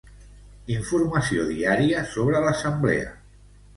Informació diària sobre l'Assemblea.